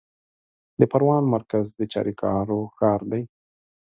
د پروان مرکز د چاریکارو ښار دی